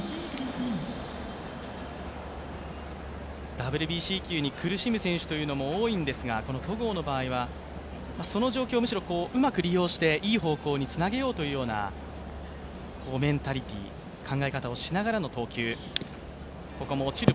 ＷＢＣ球に苦しむ選手も多いんですが戸郷の場合はその状況を利用していい方向につなげようというメンタリティー、考え方をしながらの投球。